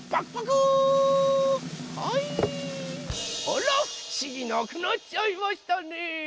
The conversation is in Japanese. あらふしぎなくなっちゃいましたね。